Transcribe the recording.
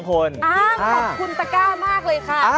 ขอบคุณตะก้ามากเลยค่ะ